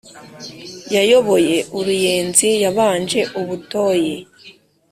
Yayoboye u Ruyenzi yabanje u Butoyi